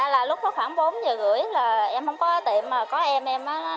lúc đó khoảng bốn giờ rưỡi là em không có tiệm mà có em em đó